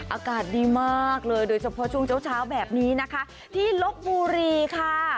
อากาศดีมากเลยโดยเฉพาะช่วงเช้าเช้าแบบนี้นะคะที่ลบบุรีค่ะ